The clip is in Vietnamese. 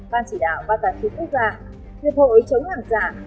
và các chỉ đạo của trưởng ban chỉ đạo ba trăm tám mươi chín quốc gia